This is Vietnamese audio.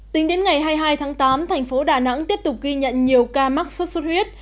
tính đến ngày hai mươi hai tháng tám thành phố đà nẵng tiếp tục ghi nhận nhiều ca mắc sốt xuất huyết